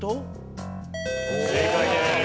正解です。